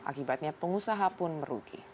akibatnya pengusaha pun merugi